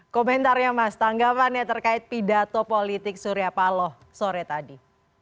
komentarnya mas tanggapannya terkait pidato politik surya paloh sore tadi